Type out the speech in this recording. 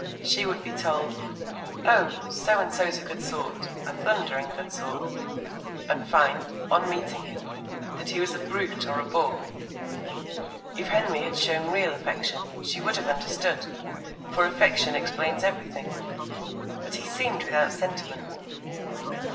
She would be told, "Oh, So and so's a good sort a thundering good sort," and find, on meeting him, that he was a brute or a bore. If Henry had shown real affection, she would have understood, for affection explains everything. But he seemed without sentiment.